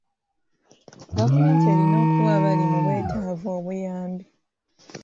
Gavumenti erina okuwa abali mu bwetaavu obuyambi.